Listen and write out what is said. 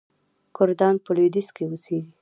کردان په لویدیځ کې اوسیږي.